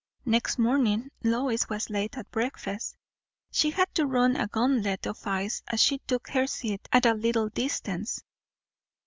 Next morning Lois was late at breakfast; she had to run a gauntlet of eyes, as she took her seat at a little distance.